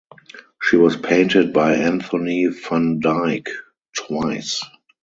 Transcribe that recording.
She was painted by Anthony van Dyck twice.